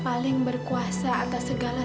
tapi penerangan bagi mereka tak bisa menggunakan